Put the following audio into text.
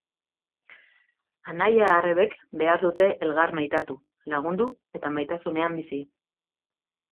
Anaia arrebek behar dute elgar maitatu, lagundu eta maitasunean bizi.